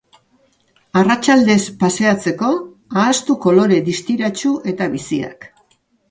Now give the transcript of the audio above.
Arratsaldez paseatzeko, ahaztu kolore distiratsu eta biziak.